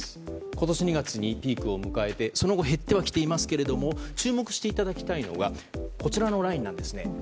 今年２月にピークを迎えてその後、減ってはきていますけど注目していただきたいのがこちらのラインなんですね。